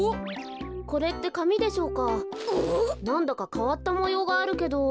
なんだかかわったもようがあるけど。